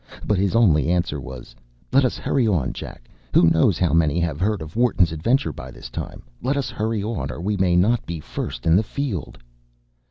But his only answer was: “Let us hurry on, Jack. Who knows how many have heard of Wharton’s adventure by this time! Let us hurry on, or we may not be first in the field!